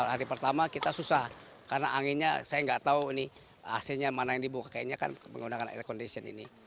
hari pertama kita susah karena anginnya saya nggak tahu ini ac nya mana yang dibuka kayaknya kan menggunakan air condition ini